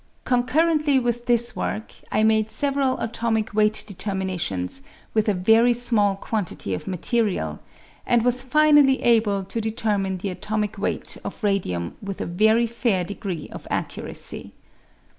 Concurrently with this work, I made several atomic weight determinations with a very small quantity of material, and was finally able to determine the atomic weight of radium with a very fair degree of accuracy.